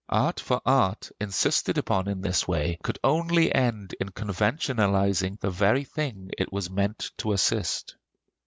Art for art, insisted upon in this way, could only end in conventionalizing the very thing it was meant to assist.